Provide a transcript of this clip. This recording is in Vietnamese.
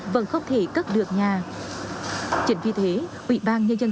với một khu đô thị mới khang trang